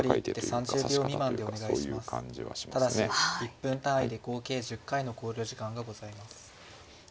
１分単位で合計１０回の考慮時間がございます。